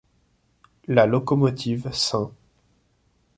La locomotive St.